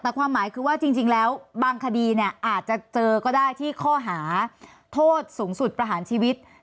แต่ความหมายคือว่าจริงแล้วบางคดีเนี่ยอาจจะเจอก็ได้ที่ข้อหาโทษสูงสุดประหารชีวิต